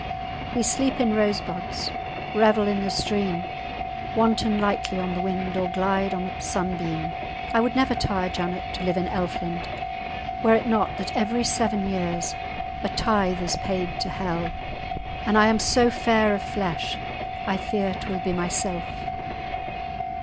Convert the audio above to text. We sleep in rose buds, revel in the stream, wanton lightly on the wind, or glide on a sunbeam. I would never tire, Janet, to dwell in Elfland, were it not that every seven years a tithe is paid to hell, and I am so fair of flesh, I fear 'twill be myself.